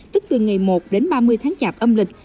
tức từ ngày một đến ba mươi tháng chạp âm lịch